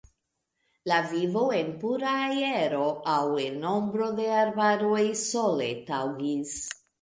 La vivo en pura aero aŭ en ombro de arbaroj sole taŭgis.